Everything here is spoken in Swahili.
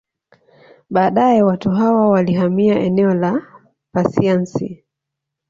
Baadae watu hawa walihamia eneo la Pasiansi